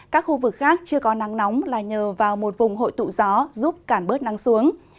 các khu vực khác chưa có nắng nóng là nhờ vào một vùng hội tụ gió giúp cản bớt nắng xuống